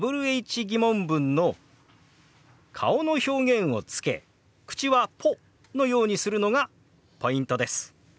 ー疑問文の顔の表現をつけ口は「ポ」のようにするのがポイントです。